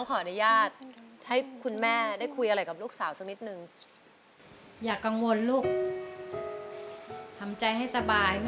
เพราะฉะนั้นเลือกให้ถูกก่อนแล้วกัน